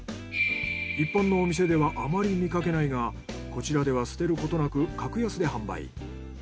一般のお店ではあまり見かけないがこちらでは捨てることなく格安で販売。